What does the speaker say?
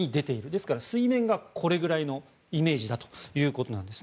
ですから水面がこれぐらいのイメージだということです。